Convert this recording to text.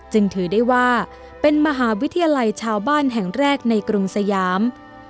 จึงถือได้ว่าเป็นมหาวิทยาลัยชาวบ้านแห่งแรกในกรุงสยาม